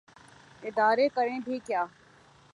ادارے کریں بھی کیا۔